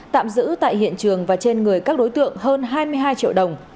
tạm giữ tại hiện trường và trên người các đối tượng hơn hai mươi hai triệu đồng